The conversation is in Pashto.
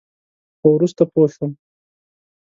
خو وروسته پوه شوم.